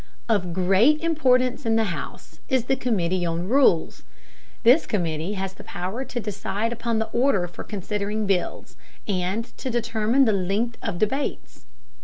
Of great importance in the House is the committee on rules. This committee has the power to decide upon the order for considering bills, and to determine the length of debates.